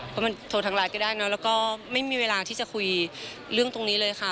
เพราะมันโทรทางไลน์ก็ได้เนอะแล้วก็ไม่มีเวลาที่จะคุยเรื่องตรงนี้เลยค่ะ